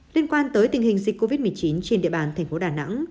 liên quan tới tình hình dịch covid một mươi chín trên địa bàn tp đà nẵng